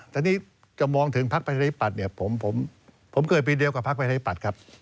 แต่นี่จะมองถึงภาคประเทศปัตย์เนี่ยผมเกิดปีเดียวกว่าภาคประเทศปัตย์ครับ